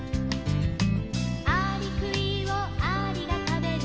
「アリクイをアリが食べる」